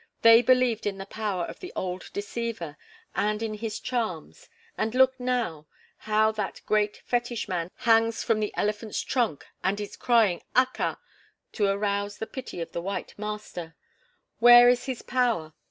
They believed in the power of the old deceiver and in his charms, and look now, how that great fetish man hangs from the elephant's trunk and is crying "Aka!" to arouse the pity of the white master. Where is his power?